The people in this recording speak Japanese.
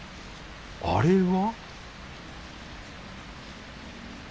あれは